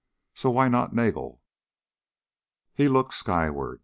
So why not Nagel? He looked skyward.